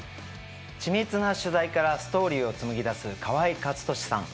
緻密な取材からストーリーを紡ぎだす河合克敏さん。